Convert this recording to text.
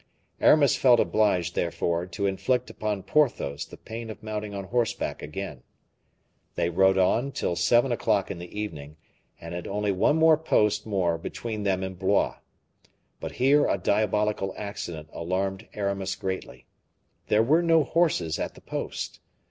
Aramis felt obliged, therefore, to inflict upon Porthos the pain of mounting on horseback again. They rode on till seven o'clock in the evening, and had only one post more between them and Blois. But here a diabolical accident alarmed Aramis greatly. There were no horses at the post.